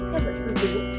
theo lời thư giữ